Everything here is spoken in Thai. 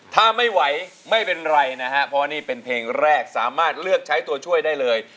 ถ้าไม่ไหวไม่เป็นไรนะฮะเพราะว่านี่เป็นเพลงแรกสามารถเลือกใช้ตัวช่วยได้เลย